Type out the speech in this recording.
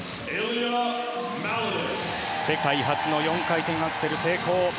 世界初の４回転アクセル成功。